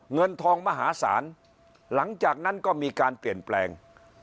เงินทองมหาศาลหลังจากนั้นก็มีการเปลี่ยนแปลง